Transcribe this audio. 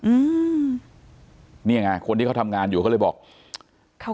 อืมนี่ไงคนที่เขาทำงานอยู่ก็เลยบอกเขา